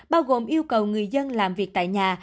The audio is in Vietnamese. bao gồm yêu cầu người dân làm việc tại nhà